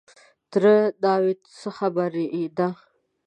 _تره ناوې! څه خبره ده؟